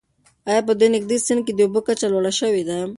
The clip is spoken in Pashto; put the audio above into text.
آیا په دې نږدې سیند کې د اوبو کچه لوړه شوې ده؟